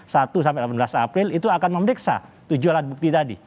satu sampai delapan belas april itu akan memeriksa tujuh alat bukti tadi